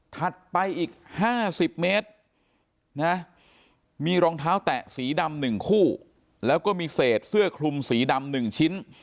ไปอีก๕๐เมตรนะมีรองเท้าแตะสีดำ๑คู่แล้วก็มีเศษเสื้อคลุมสีดำ๑ชิ้น